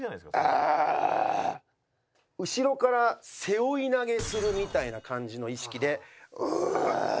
後ろから背負い投げするみたいな感じの意識で「オエーッ！」。